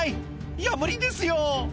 「いや無理ですよ」